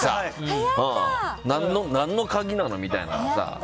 何の鍵なの？みたいな。